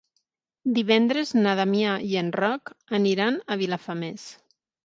Divendres na Damià i en Roc aniran a Vilafamés.